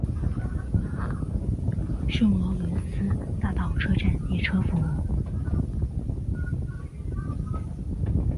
圣罗伦斯大道车站列车服务。